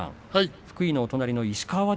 福井の隣の石川